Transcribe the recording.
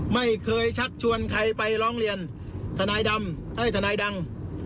ไม่เคยชักชวนใครไปร้องเรียนทนายดำเอ้ยทนายดัง